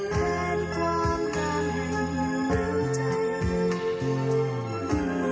หลังใจมืดใหญ่